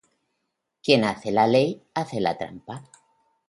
Quien hace la ley hace la trampa.